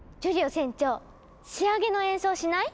船長仕上げの演奏しない？